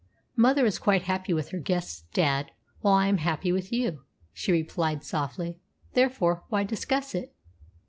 "Mother is quite happy with her guests, dad; while I am quite happy with you," she replied softly. "Therefore, why discuss it?"